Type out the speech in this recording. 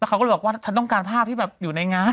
เขาก็เลยบอกว่าฉันต้องการภาพที่แบบอยู่ในงาน